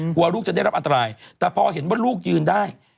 กลัวลูกจะได้รับอันตรายแต่พอเห็นว่าลูกยืนได้